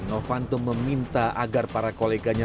novanto meminta agar para koleganya